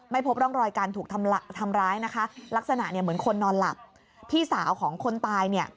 พบร่องรอยการถูกทำร้ายนะคะลักษณะเนี่ยเหมือนคนนอนหลับพี่สาวของคนตายเนี่ย